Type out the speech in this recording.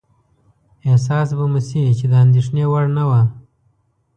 احساس به مو شي چې د اندېښنې وړ نه وه.